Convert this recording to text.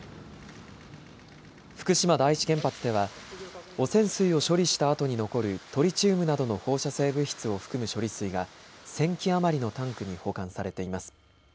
福島第一原発では、汚染水を処理したあとに残るトリチウムなどの放射性物質を含む処理水が１０００基余りのタンクに保管されています。